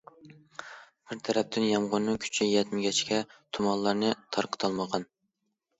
بىر تەرەپتىن يامغۇرنىڭ كۈچى يەتمىگەچكە، تۇمانلارنى تارقىتالمىغان.